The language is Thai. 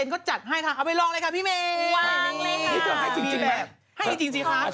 ก็จัดให้ค่ะเอาไปลองเลยค่ะพี่เมย์